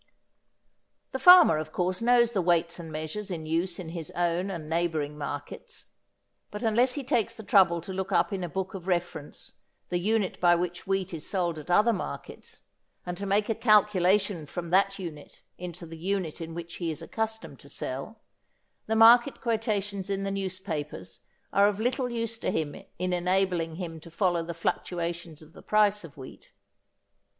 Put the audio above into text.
The farmer of course knows the weights and measures in use in his own and neighbouring markets, but unless he takes the trouble to look up in a book of reference the unit by which wheat is sold at other markets, and to make a calculation from that unit into the unit in which he is accustomed to sell, the market quotations in the newspapers are of little use to him in enabling him to follow the fluctuations of the price of wheat.